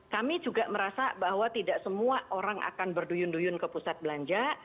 kami juga merasa bahwa tidak semua orang akan berduyun duyun ke pusat belanja